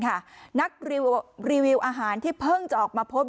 คุณแทนค่ะนักรีวิวอาหารที่เพิ่งจะออกมาโพสต์